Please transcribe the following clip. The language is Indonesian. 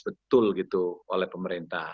jadi harus di manfaatkan